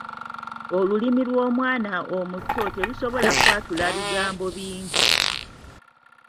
Olulimi lw'omwana omuto terusobola kwatula bigambo bingi.